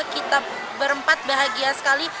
kita berempat bahagia sekali